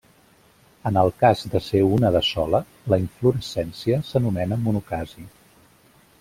En el cas de ser una de sola, la inflorescència s'anomena monocasi.